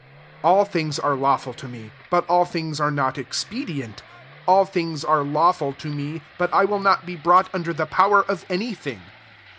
12 All things atre lawful to me, but all things are not ex pedient: all things are lawful tO'me, but I will not be brought under the power of any thing.